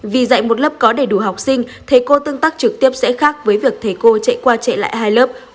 vì dạy một lớp có đầy đủ học sinh thầy cô tương tác trực tiếp sẽ khác với việc thầy cô chạy qua chạy lại hai lớp